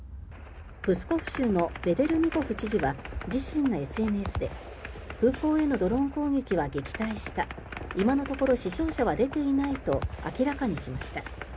プスコフ州のベデルニコフ知事は自身のＳＮＳで空港へのドローン攻撃は撃退した今のところ死傷者は出ていないと明らかにしました。